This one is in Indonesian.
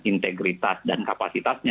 integritas dan kapasitasnya